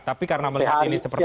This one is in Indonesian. tapi karena melihat ini sepertinya